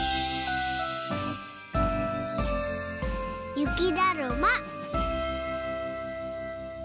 ゆきだるま。